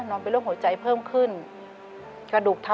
ขอเอ็กซาเรย์แล้วก็เจาะไข่ที่สันหลังค่ะ